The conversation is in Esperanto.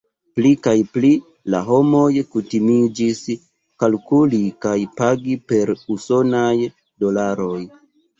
Pli kaj pli la homoj kutimiĝis kalkuli kaj pagi per usonaj dolaroj.